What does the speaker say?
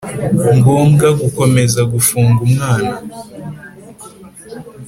Ngombwa gukomeza gufunga umwana